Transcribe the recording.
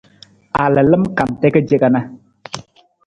A lalam kante ka ce kana.